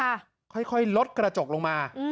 แล้วอันนี้นี้ค่อยรถกระจกลงมา